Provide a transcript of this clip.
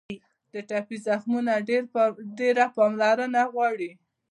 د ټپي زخمونه ډېره پاملرنه غواړي.